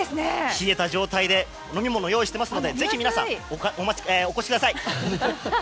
冷えた状態で飲み物を用意していますのでぜひ、皆さん、お越しください。